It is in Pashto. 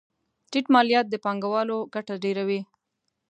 ټیټ مالیات د پانګوالو ګټه ډېروي.